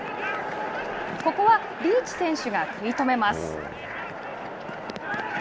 ここはリーチ選手が食い止めます。